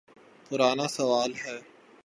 پرانا سوال ہے۔